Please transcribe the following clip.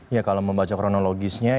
ya kalau membaca kronologisnya